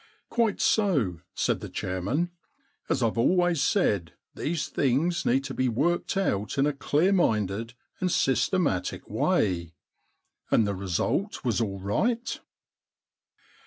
* ^uite so,' said the chairman. * As Fve always said, these things need to be worked out in a clear minded and systematic way. And the result was all right